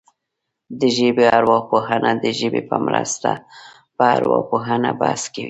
د ژبې ارواپوهنه د ژبې په مرسته پر ارواپوهنه بحث کوي